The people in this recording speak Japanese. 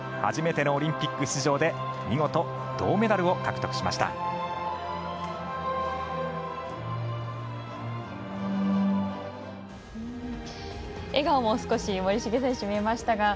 初めてのオリンピック出場で見事、銅メダルを獲得しました。